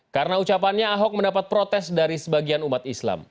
karena ucapannya ahok mendapat protes dari sebagian umat islam